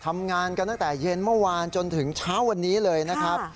ทำงานกันตั้งแต่เย็นเมื่อวานจนถึงเช้าวันนี้เลยนะครับ